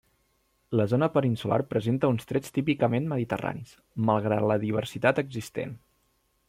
La zona peninsular presenta uns trets típicament mediterranis, malgrat la diversitat existent.